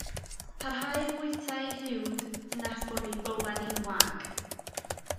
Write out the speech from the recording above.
Parhau i fwyta'i huwd nes bod ei bowlen hi'n wag.